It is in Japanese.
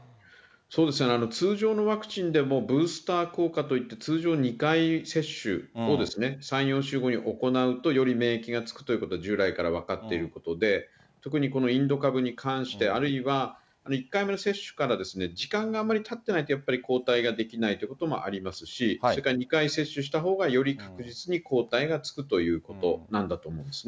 そうですね、通常のワクチンでもブースター効果といって、通常２回接種を３、４週後に行うと、より免疫がつくということは、従来から分かっていることで、特にこのインド株に関して、あるいは、１回目の接種から時間があまりたってないと、やっぱり抗体が出来ないということもありますし、それから２回接種したほうが、より確実に抗体がつくということなんだと思うんですね。